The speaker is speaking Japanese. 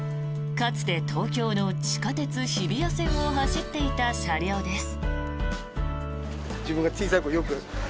かつて東京の地下鉄、日比谷線を走っていた車両です。